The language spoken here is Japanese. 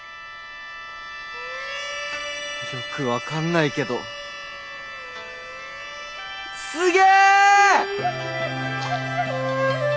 よく分かんないけどすげ！